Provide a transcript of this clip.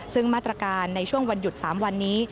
ซึ่งมาตรการในช่วงวันหยุด๓วันนี้